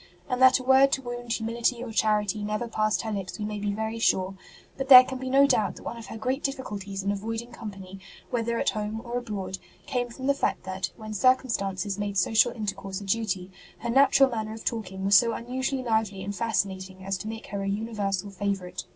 and that a word to wound humility or charity never passed her lips we may be very sure ; but there can be no doubt that one of her great difficulties in avoiding company, whether at home or abroad, came from the fact that, when circumstances made social intercourse a duty, her natural manner of talking was so unusually lively and fascinating as to make her a universal favourite.